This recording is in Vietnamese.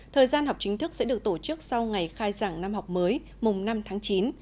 thời gian học chính thức sẽ được tổ chức sau ngày khai giảng năm học mới mùng năm tháng chín